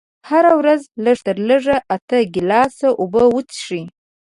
هره ورځ لږ تر لږه اته ګيلاسه اوبه وڅښئ.